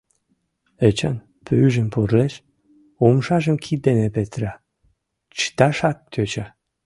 Эчан пӱйжым пурлеш, умшажым кид дене петыра, чыташак тӧча.